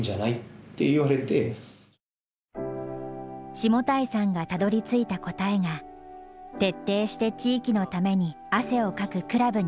下平さんがたどりついた答えが徹底して地域のために汗をかくクラブになること。